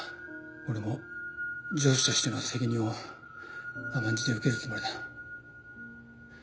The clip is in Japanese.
俺も上司としての責任を甘んじて受けるつもりだ。